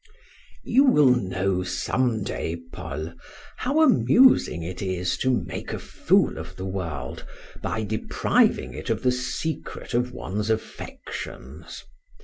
"You will know some day, Paul, how amusing it is to make a fool of the world by depriving it of the secret of one's affections.